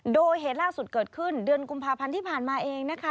โดยเหตุล่าสุดเกิดขึ้นเดือนกุมภาพันธ์ที่ผ่านมาเองนะคะ